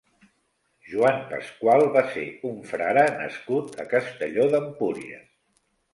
Joan Pasqual va ser un frare nascut a Castelló d'Empúries.